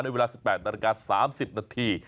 เวลา๑๘นาฬิกา๓๐นาที